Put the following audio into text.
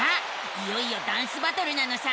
いよいよダンスバトルなのさ！